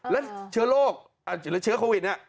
แล้วเชื้อโรคเชื้อโควิดเนี่ย